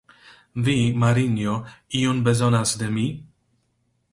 Vi, Marinjo, ion bezonas de mi?